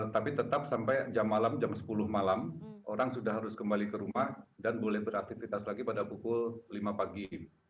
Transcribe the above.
tapi tetap sampai jam malam jam sepuluh malam orang sudah harus kembali ke rumah dan boleh beraktivitas lagi pada pukul lima pagi